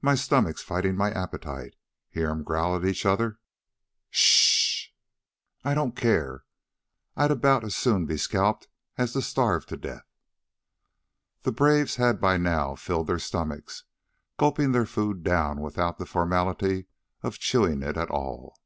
"My stomach's fighting my appetite. Hear 'em growl at each other?" "S h h h." "I don't care. I'd 'bout as soon be scalped as to starve to death." The braves had by now filled their stomachs, gulping their food down without the formality of chewing it at all.